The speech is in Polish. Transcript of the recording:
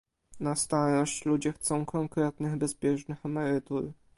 Na starość ludzie chcą konkretnych, bezpiecznych emerytur